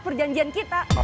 saya pasti mau bukun